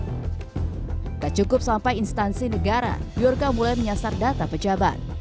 tidak cukup sampai instansi negara biorka mulai menyasar data pejabat